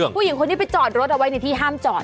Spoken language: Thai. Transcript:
ผู้หญิงคนนี้ไปจอดรถเอาไว้ในที่ห้ามจอด